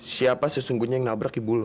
siapa sesungguhnya yang nabrak ibu